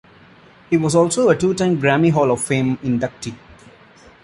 He was also a two-time Grammy Hall of Fame inductee.